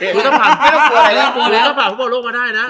ถ้าผ่านผู้บอกโลกมาได้นะ